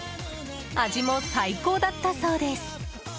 味も最高だったそうです。